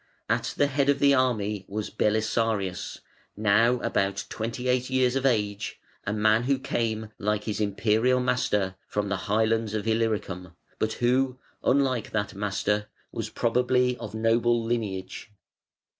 At the head of the army was Belisarius, now about twenty eight years of age, a man who came, like his Imperial master, from the highlands of Illyricum, but who, unlike that master, was probably of noble lineage.